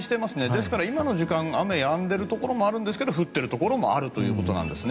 ですから今の時間は雨、やんでいるところもありますが降っているところもあるということなんです。